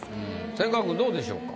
千賀君どうでしょうか？